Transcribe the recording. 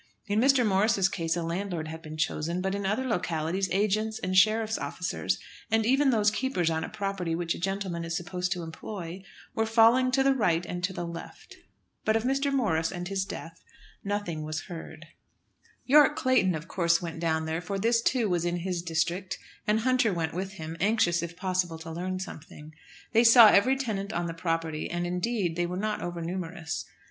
In Mr. Morris's case a landlord had been chosen; but in other localities agents and sheriffs' officers, and even those keepers on a property which a gentleman is supposed to employ, were falling to the right and to the left. But of Mr. Morris and his death nothing was heard. Yorke Clayton of course went down there, for this, too, was in his district, and Hunter went with him, anxious, if possible, to learn something. They saw every tenant on the property; and, indeed, they were not over numerous.